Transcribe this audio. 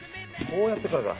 こうやってからだ。